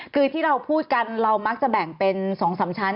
คือที่เราพูดกันเรามักจะแบ่งเป็น๒๓ชั้น